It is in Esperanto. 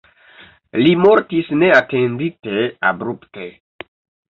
Li mortis neatendite abrupte.